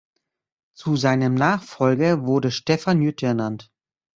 Zu seinem Nachfolger wurde Stefan Jütte ernannt.